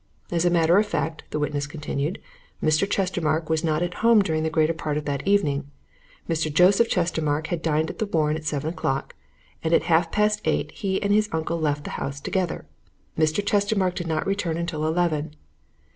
As a matter of fact, the witness continued, Mr. Chestermarke was not at home during the greater part of that evening. Mr. Joseph Chestermarke had dined at the Warren at seven o'clock, and at half past eight he and his uncle left the house together. Mr. Chestermarke did not return until eleven.